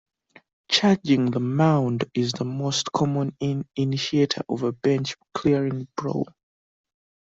Charging the mound is the most common initiator of a bench-clearing brawl.